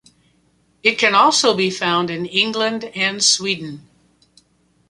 It can also be found in England and Sweden.